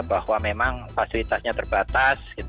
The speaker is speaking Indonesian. bahwa memang fasilitasnya terbatas